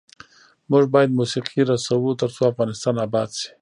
موږ باید موسیقي رسوو ، ترڅو افغانستان اباد شي.